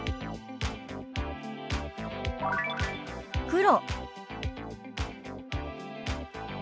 「黒」。